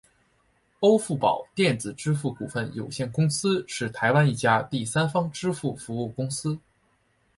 欧付宝电子支付股份有限公司是台湾一家第三方支付服务公司。